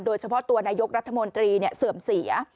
โดยเฉพาะตัวนายกรัฐมนตรีเสื่อมเสีย